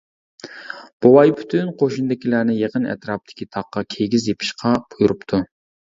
بوۋاي پۈتۈن قوشۇندىكىلەرنى يېقىن ئەتراپتىكى تاغقا كىگىز يېپىشقا بۇيرۇپتۇ.